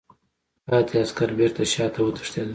پاتې عسکر بېرته شاته وتښتېدل.